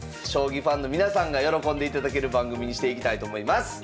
将棋ファンの皆さんが喜んでいただける番組にしていきたいと思います！